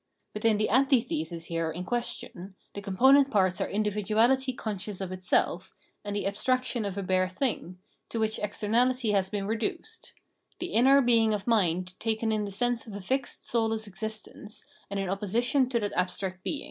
But in the antithesis here in question the component parts are individuality conscious of itself, and the abstraction of a bare thing, to which externahty has been reduced — the inner being of mind taken in the sense of a fixed soulless existence and in opposition to that abstract being.